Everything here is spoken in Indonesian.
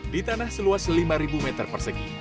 di tanah seluas lima meter persegi